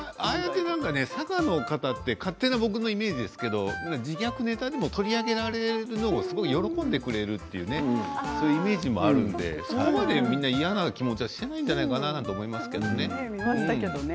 佐賀の方って勝手なイメージですけれども自虐ネタでも取り上げられるのを喜んでくれるというイメージもあるのでそこで、みんな嫌な気持ちしていないんじゃないかなと思いますけれどね。